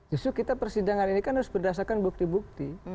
justru kita persidangan ini kan harus berdasarkan bukti bukti